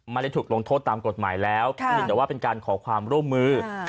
ไม่ได้ถูกลงโทษตามกฎหมายแล้วเพียงแต่ว่าเป็นการขอความร่วมมือ